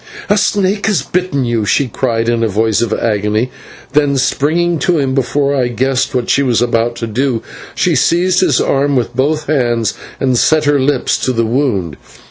"A snake has bitten you!" she cried in a voice of agony, and, springing at him before I guessed what she was about to do, she seized his arm with both hands and set her lips to the wound.